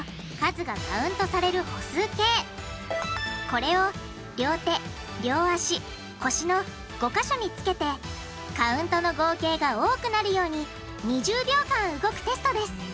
これを両手両足腰の５か所につけてカウントの合計が多くなるように２０秒間動くテストです。